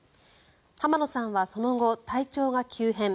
浜野さんはその後、体調が急変。